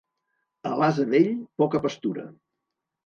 A l'ase vell, poca pastura.